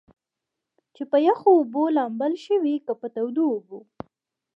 چې پۀ يخو اوبو لامبل ښۀ وي کۀ پۀ تودو اوبو ؟